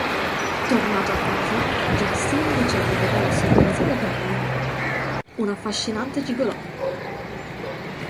Tornato a casa, Justin riceve un regalo a sorpresa da Brian: un affascinante gigolò.